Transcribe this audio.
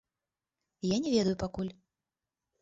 Я не ведаю пакуль.